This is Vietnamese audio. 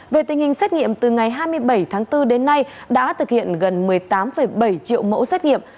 về tình hình xét nghiệm từ ngày hai mươi bảy tháng bốn đến nay đã thực hiện gần một mươi tám bảy triệu mẫu xét nghiệm